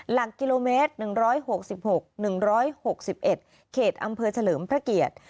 หลักกิโลเมตรหนึ่งร้อยหกสิบหกหนึ่งร้อยหกสิบเอ็ดเขตอำเภอเฉลิมพระเกียรติ